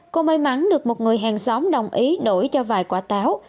cô may mắn được một người hàng xóm đồng ý đổi cho vài quả táo